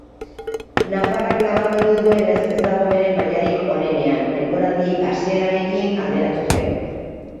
Nafarrak nabarmendu duenez, ez dago bere mailarik onenean denboraldi hasierarekin alderatuz gero.